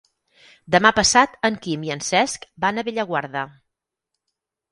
Demà passat en Quim i en Cesc van a Bellaguarda.